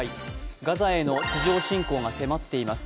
ガザへの地上侵攻が迫っています。